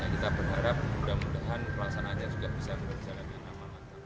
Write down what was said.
kita berharap mudah mudahan pelaksanaannya juga bisa berjalan dengan aman lancar